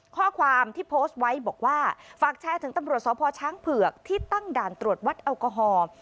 ข้อความที่โพสต์ไว้บอกว่าฝากแชร์ถึงตำรวจสพช้างเผือกที่ตั้งด่านตรวจวัดแอลกอฮอล์